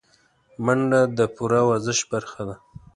منډه د پوره ورزش برخه ده